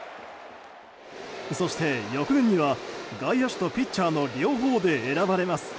そして、翌年には外野手とピッチャーの両方で選ばれます。